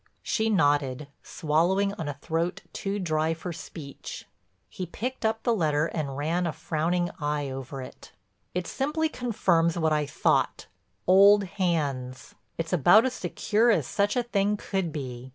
She nodded, swallowing on a throat too dry for speech. He picked up the letter and ran a frowning eye over it: "It simply confirms what I thought—old hands. It's about as secure as such a thing could be.